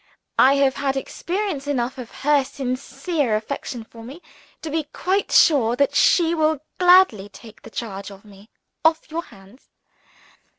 I have had experience enough of her sincere affection for me to be quite sure that she will gladly take the charge of me off your hands.